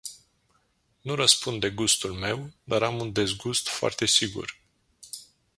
Nu răspund de gustul meu, dar am un dezgust foarte sigur.